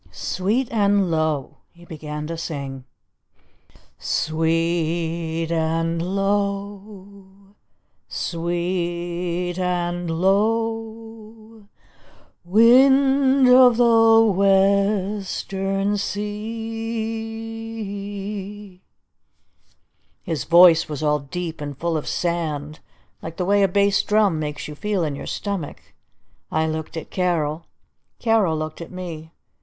"Sweet and Low" he began to sing. Sweet and low Sweet and low Wind of the Western Sea His voice was all deep and full of sand like the way a bass drum makes you feel in your stomach. I looked at Carol. Carol looked at me.